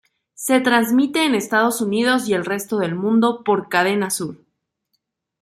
Se transmite en Estados Unidos y el resto del mundo por Cadena Sur.